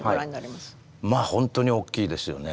本当に大きいですよね。